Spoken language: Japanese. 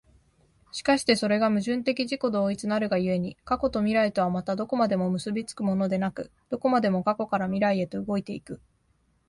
而してそれが矛盾的自己同一なるが故に、過去と未来とはまたどこまでも結び付くものでなく、どこまでも過去から未来へと動いて行く。